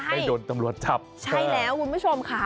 ไม่โดนตำรวจจับใช่แล้วคุณผู้ชมค่ะ